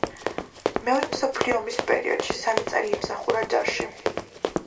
მეორე მსოფლიო ომის პერიოდში სამი წელი იმსახურა ჯარში.